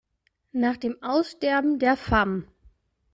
Nach dem Aussterben der Fam.